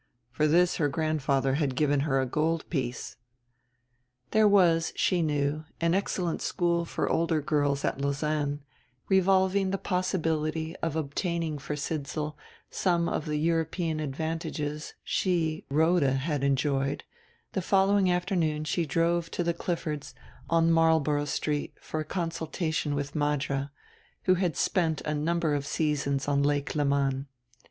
For this her grandfather had given her a gold piece. There was, she knew, an excellent school for older girls at Lausanne; and, revolving the possibility of obtaining for Sidsall some of the European advantages she, Rhoda, had enjoyed, the following afternoon she drove to the Cliffords' on Marlboro Street for a consultation with Madra, who had spent a number of seasons on Lake Leman.